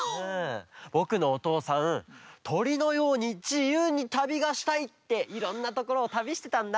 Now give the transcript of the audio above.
ぼくのおとうさん「とりのようにじゆうにたびがしたい」っていろんなところをたびしてたんだ。